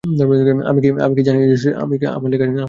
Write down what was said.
আমি কি জানি না যে, আমার লেখা ছাই লেখা।